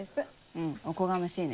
うんおこがましいね。